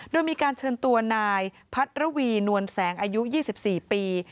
โดยมีการเชิญตัวนายพัทรวีนวลแสงอายุ๒๔ปี